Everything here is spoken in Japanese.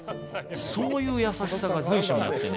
そういう優しさが随所にあってね